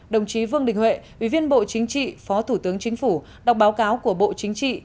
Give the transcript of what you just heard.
đồng chí vương đình huệ ủy viên bộ chính trị phó thủ tướng chính phủ đọc báo cáo của bộ chính trị